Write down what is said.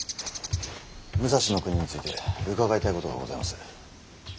武蔵国について伺いたいことがございます。